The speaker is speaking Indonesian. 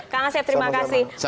kang asep terima kasih